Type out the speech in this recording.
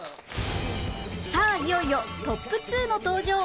さあいよいよトップ２の登場